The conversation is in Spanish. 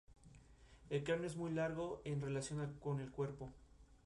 En los trece partidos que disputó, firmó cuatro goles.